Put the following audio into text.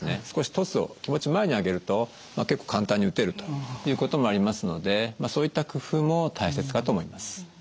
少しトスを気持ち前に上げると結構簡単に打てるということもありますのでそういった工夫も大切かと思います。